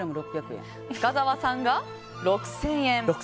深澤さんが６０００円。